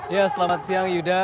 ya selamat siang yuda